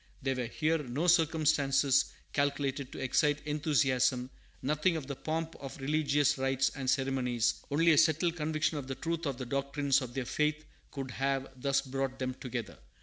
There were here no circumstances calculated to excite enthusiasm, nothing of the pomp of religious rites and ceremonies; only a settled conviction of the truth of the doctrines of their faith could have thus brought them together.